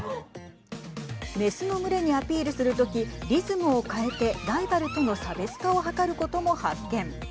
雌の群れにアピールする時リズムを変えてライバルとの差別化を図ることも発見。